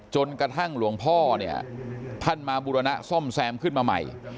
จนกระทั่งหลวงพ่อเนี่ยท่านมาบุรณะซ่อมแซมขึ้นมาใหม่